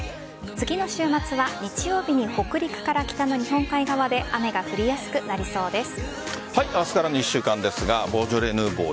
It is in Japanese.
次の週末は日曜日に北陸から北の日本海側で雨が降りやすくなりそうです。